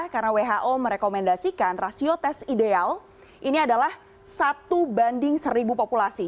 karena who merekomendasikan rasio tes ideal ini adalah satu banding seribu populasi